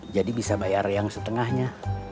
jadi bisa bayar yang setengahnya